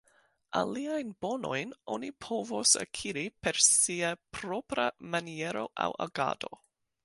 Aliajn bonojn oni povos akiri per sia propra maniero aŭ agado.